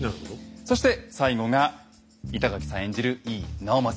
そして最後が板垣さん演じる